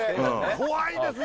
怖いですね！